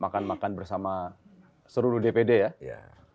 makan makan bersama seluruh dpd ya